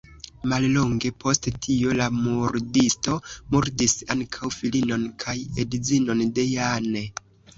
Mallonge post tio, la murdisto murdis ankaŭ filinon kaj edzinon de Jane.